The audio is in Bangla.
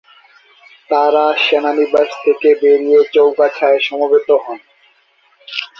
তারা সেনানিবাস থেকে বেরিয়ে চৌগাছায় সমবেত হন।